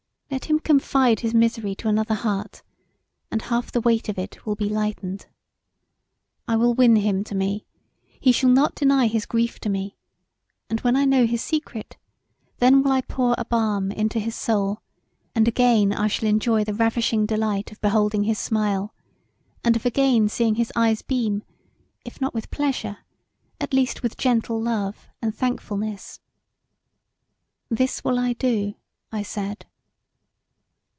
Let him confide his misery to another heart and half the weight of it will be lightened. I will win him to me; he shall not deny his grief to me and when I know his secret then will I pour a balm into his soul and again I shall enjoy the ravishing delight of beholding his smile, and of again seeing his eyes beam if not with pleasure at least with gentle love and thankfulness. This will I do, I said.